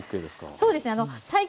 そうですね西京